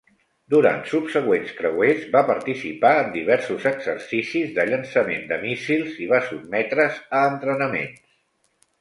Durant subsegüents creuers, va participar en diversos exercicis de llançament de míssils i va sotmetre's a entrenaments.